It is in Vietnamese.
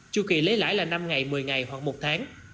chu kỳ lấy lãi là năm ngày một mươi ngày hoặc một tháng